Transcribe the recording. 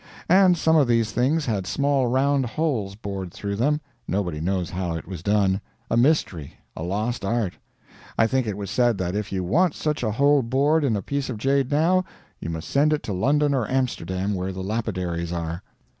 And some of these things had small round holes bored through them nobody knows how it was done; a mystery, a lost art. I think it was said that if you want such a hole bored in a piece of jade now, you must send it to London or Amsterdam where the lapidaries are.